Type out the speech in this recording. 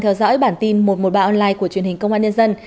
theo dõi bản tin một trăm một mươi ba online của truyền hình công an nhân dân